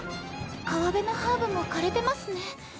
川辺のハーブも枯れてますね。